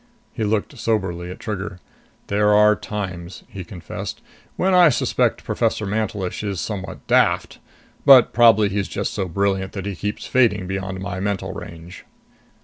He looked soberly at Trigger. "There are times," he confessed, "when I suspect Professor Mantelish is somewhat daft. But probably he's just so brilliant that he keeps fading beyond my mental range."